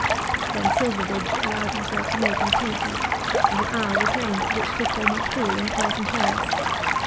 Then Silverbridge allowed himself to make an appointment, and an hour was named at which Tifto might call in Carlton Terrace.